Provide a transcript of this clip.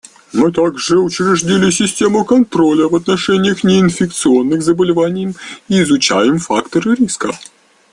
Мы также учредили системы контроля в отношении неинфекционных заболеваний и изучаем факторы риска.